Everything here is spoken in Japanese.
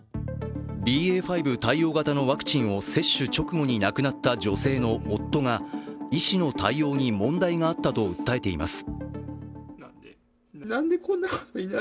ＢＡ．５対応型のワクチンを接種直後に亡くなった女性の夫が、医師の対応に問題があったと訴えています。